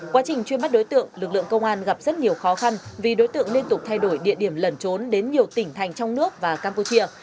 quá trình truy bắt đối tượng lực lượng công an gặp rất nhiều khó khăn vì đối tượng liên tục thay đổi địa điểm lẩn trốn đến nhiều tỉnh thành trong nước và campuchia